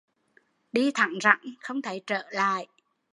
Đi thẳng rẵng không thấy trở lại